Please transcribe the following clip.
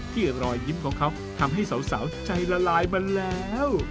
รอยยิ้มของเขาทำให้สาวใจละลายมาแล้ว